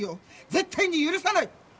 絶対に許さない！